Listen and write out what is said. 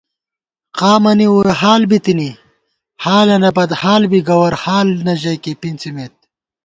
قامَنی ووئی حال بِتِنی حالَنہ بدحال بی گوَرحال نہ ژَئیکےپِنڅِمېت